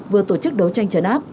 vừa tổ chức đấu tranh chấn áp